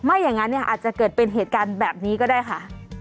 อย่างนั้นเนี่ยอาจจะเกิดเป็นเหตุการณ์แบบนี้ก็ได้ค่ะ